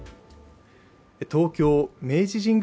東京・明治神宮